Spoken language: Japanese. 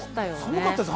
寒かったです。